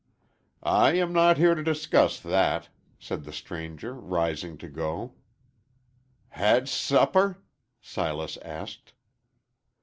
"I am not here to discuss that," said the stranger, rising to go. "Had s supper?" Silas asked.